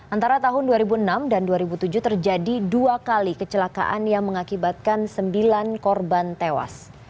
antara tahun dua ribu enam dan dua ribu tujuh terjadi dua kali kecelakaan yang mengakibatkan sembilan korban tewas